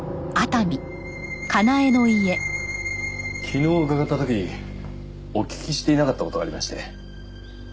昨日伺った時お聞きしていなかった事がありまして。